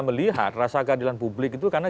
melihat rasa keadilan publik itu karena